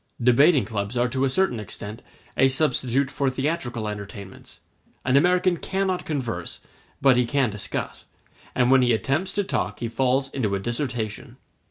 Debating clubs are to a certain extent a substitute for theatrical entertainments: an American cannot converse, but he can discuss; and when he attempts to talk he falls into a dissertation.